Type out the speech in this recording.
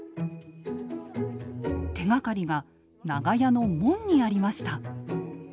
手がかりが長屋の門にありました。